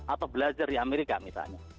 atau belajar di amerika misalnya